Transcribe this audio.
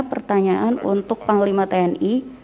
pertanyaan untuk panglima tni